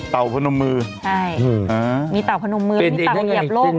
ต่อผนมือใช่มีต่อผนมือมีต่อเหยียบโลกก็ได้